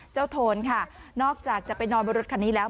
โทนค่ะนอกจากจะไปนอนบนรถคันนี้แล้ว